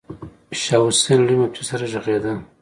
شاه حسين له لوی مفتي سره غږېده.